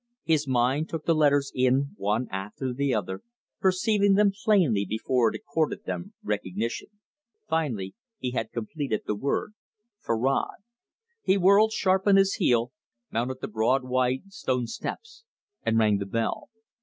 His mind took the letters in one after the other, perceiving them plainly before it accorded them recognition. Finally he had completed the word "Farrad." He whirled sharp on his heel, mounted the broad white stone steps, and rang the bell.